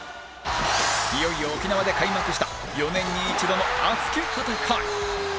いよいよ、沖縄で開幕した４年に一度の熱き戦い